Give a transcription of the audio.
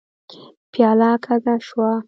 پياله کږه شوه.